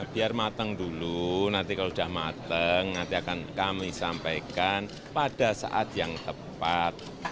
biar mateng dulu nanti kalau sudah mateng nanti akan kami sampaikan pada saat yang tepat